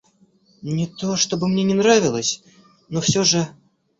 Не то что бы мне не нравилось, но всё же...